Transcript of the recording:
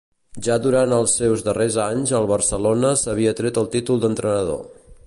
Ja durant els seus darrers anys al Barcelona s'havia tret el títol d'entrenador.